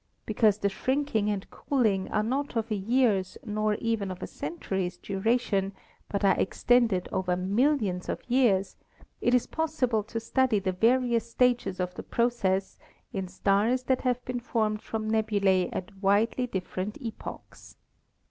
Because the shrinking and cooling are not of a year's nor even of a century's dura tion, but are extended over millions of years, it is possible to study the various stages of the process in stars that have been formed from nebulae at widely different epochs.